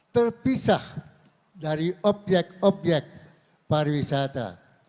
terpisah dari objek objek pariwisata